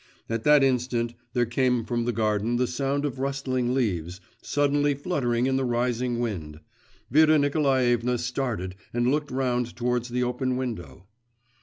At that instant there came from the garden the sound of rustling leaves, suddenly fluttering in the rising wind. Vera Nikolaevna started and looked round towards the open window.